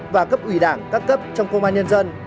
và cấp ủy đảng các cấp trong công an nhân dân